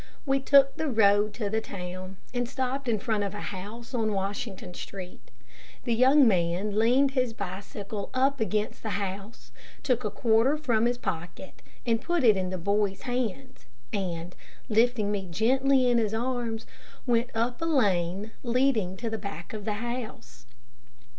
We took the road to the town and stopped in front of a house on Washington Street. The young man leaned his bicycle up against the house, took a quarter from his pocket and put it in the boy's hand, and lifting me gently in his arms, went up a lane leading to the back of the house.